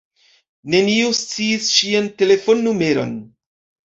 Neniu sciis ŝian telefonnumeron.